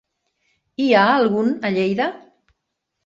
Hi ha algun a Lleida?